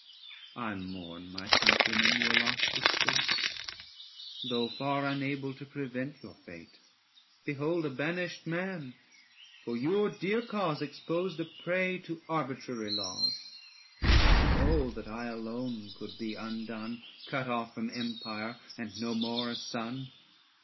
'I mourn, my countrymen, your lost estate, Though far unable to prevent your fate : Behold a banished man, for your dear cause 700 Exposed a prey to arbitrary laws ! Yet oh that I alone could be undone, Cut off from empire, and no more a son